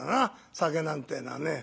酒なんてえのはね。